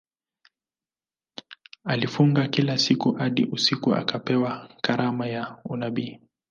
Alifunga kila siku hadi usiku akapewa karama ya unabii.